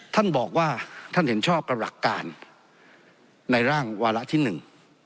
ท่านบอกว่าท่านเห็นชอบกับหลักการในร่างวาระที่หนึ่ง